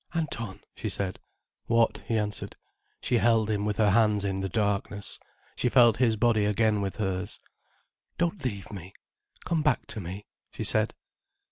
"Anton?" she said. "What?" he answered. She held him with her hands in the darkness, she felt his body again with hers. "Don't leave me—come back to me," she said.